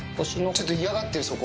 ちょっと嫌がってる、そこ。